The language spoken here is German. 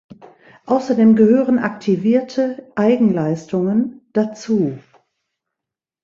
Außerdem gehören aktivierte Eigenleistungen dazu.